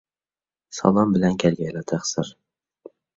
سالام بىلەن كەلگەيلا تەقسىر.